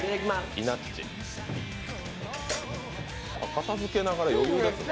片づけながら余裕ですね。